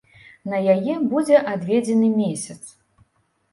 На яе будзе адведзены месяц.